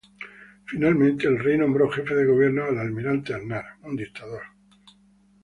Finalmente, el rey nombró jefe de gobierno al almirante Aznar.